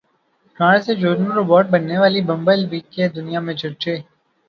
کار سے جنگجو روبوٹ بننے والی بمبل بی کے دنیا میں چرچے